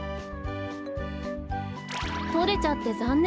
とれちゃってざんねんでしたね。